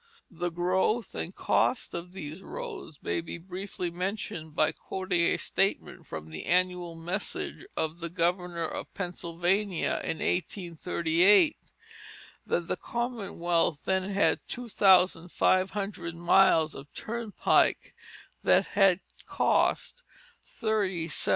The growth and the cost of these roads may be briefly mentioned by quoting a statement from the annual message of the governor of Pennsylvania in 1838, that that commonwealth then had two thousand five hundred miles of turnpikes which had cost $37,000,000.